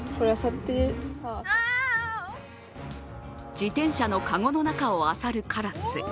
自転車のかごの中をあさるカラス。